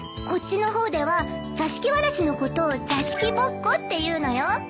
こっちの方では座敷わらしのことを座敷ぼっこっていうのよ。